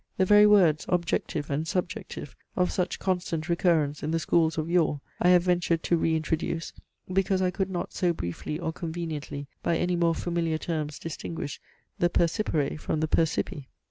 The very words, objective and subjective, of such constant recurrence in the schools of yore, I have ventured to re introduce, because I could not so briefly or conveniently by any more familiar terms distinguish the percipere from the percipi.